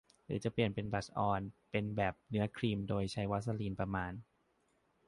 หรือจะเปลี่ยนบลัชออนเป็นแบบเนื้อครีมโดยใช้วาสลีนประมาณ